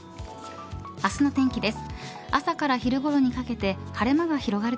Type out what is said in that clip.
明日の天気です。